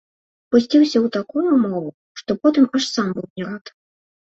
Пусціўся ў такую мову, што потым аж сам быў не рад.